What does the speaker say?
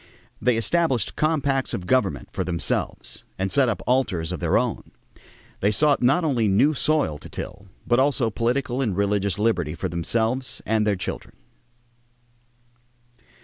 They established compacts of government for themselves and set up altars of their own. They sought not only new soil to till but also political and religious liberty for themselves and their children.